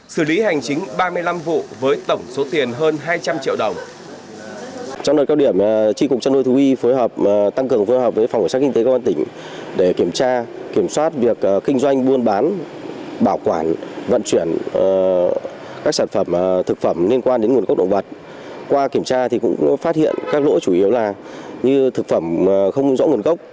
xử lý hành chính ba mươi năm vụ với tổng số tiền hơn hai trăm linh triệu đồng